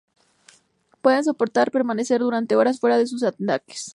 Pueden soportar permanecer durante horas fuera de sus estanques.